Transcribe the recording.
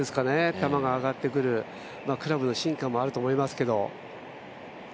球が上がってくる、クラブの進化もあると思いますけど。